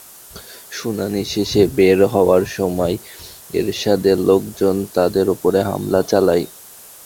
শুনানি শেষে বের হওয়ার সময় এরশাদের লোকজন তাঁদের ওপর হামলা চালায়।